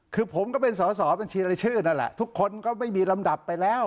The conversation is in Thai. คือผมก็เป็นสอสอบัญชีรายชื่อนั่นแหละทุกคนก็ไม่มีลำดับไปแล้ว